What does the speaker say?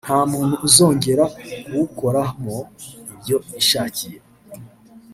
nta muntu uzongera kuwukoramo ibyo yishakiye